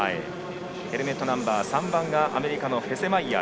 ヘルメットナンバー３番がアメリカのフェセマイヤー。